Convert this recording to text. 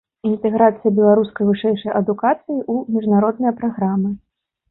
Інтэграцыя беларускай вышэйшай адукацыі ў міжнародныя праграмы.